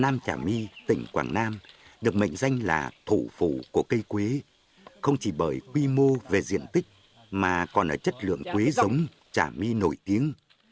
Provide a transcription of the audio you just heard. nam trả mi tỉnh quảng nam được mệnh danh là thủ phủ của cây quế không chỉ bởi quy mô về diện tích mà còn ở chất lượng quế giống trả mi nổi tiếng